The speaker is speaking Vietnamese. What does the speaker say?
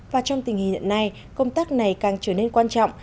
và trong tình hình hiện nay công tác này càng trở nên quan trọng